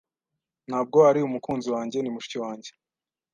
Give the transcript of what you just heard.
Ntabwo ari umukunzi wanjye. Ni mushiki wanjye.